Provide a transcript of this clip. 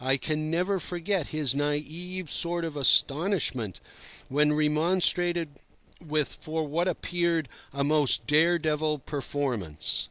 I can never forget his naïve sort of astonishment when remonstrated with for what appeared a most dare devil performance.